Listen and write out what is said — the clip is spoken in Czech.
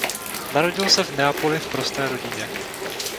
Narodil se v Neapoli v prosté rodině.